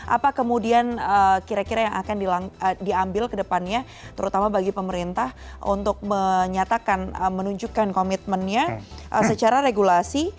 apa kemudian kira kira yang akan diambil ke depannya terutama bagi pemerintah untuk menyatakan menunjukkan komitmennya secara regulasi